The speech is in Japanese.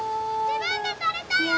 自分で取れたよ！